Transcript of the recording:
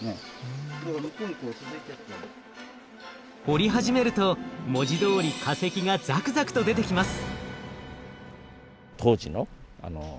掘り始めると文字どおり化石がザクザクと出てきます。